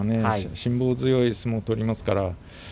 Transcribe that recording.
辛抱強い相撲を取りますからね。